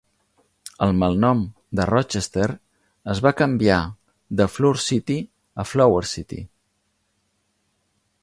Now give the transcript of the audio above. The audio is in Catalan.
El malnom de Rochester es va canviar de Flour City a Flower City.